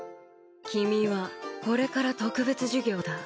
君はこれから特別授業だ